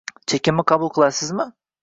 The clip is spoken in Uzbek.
Chekimni qabul qilasizmi?